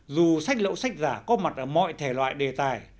dù sách lậu sách giả có mặt ở mọi thể loại đề tài